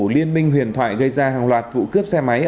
liên minh huyền thoại gây ra hàng loạt vụ cướp xe máy